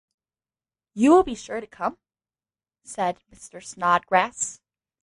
‘You will be sure to come?’ said Mr. Snodgrass.